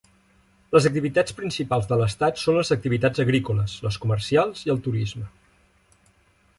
Les activitats principals de l'estat són les activitats agrícoles, les comercials i el turisme.